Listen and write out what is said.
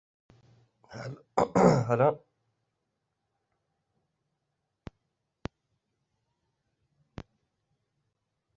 لك ما يروقه الغمام الهاطل